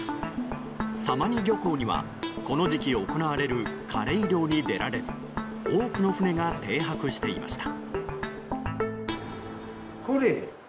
様似漁港には、この時期行われるカレイ漁に出られず多くの船が停泊していました。